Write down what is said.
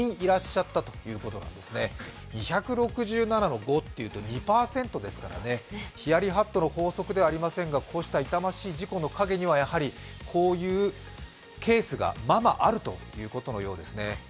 ２６７の５という２％ですからヒヤリ・ハットの法則ではありませんが、こうした痛ましい事故にはこういうケースが、ままあるということのようですね。